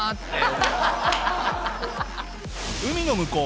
海の向こう